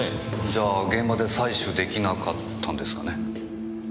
じゃあ現場で採取出来なかったんですかね。